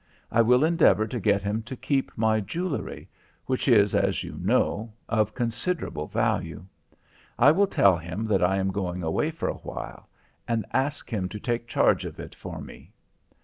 I will endeavour to get him to keep my jewelry which is, as you know, of considerable value. I will tell him that I am going away for a while and ask him to take charge of it for me.